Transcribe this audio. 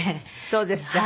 そうですか。